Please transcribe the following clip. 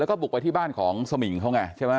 แล้วก็บุกไปที่บ้านของสมิงเขาไงใช่ไหม